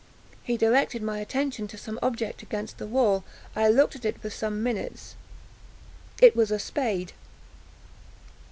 He directed my attention to some object against the wall. I looked at it for some minutes: it was a spade.